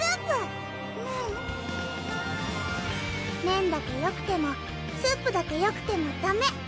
麺だけよくてもスープだけよくてもダメ！